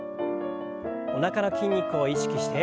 おなかの筋肉を意識して。